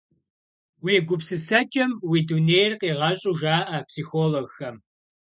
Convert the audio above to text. Уи гупсысэкӏэм уи дунейр къигъэщӏу жаӏэ психологхэм.